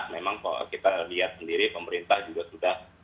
memang kalau kita lihat sendiri pemerintah juga sudah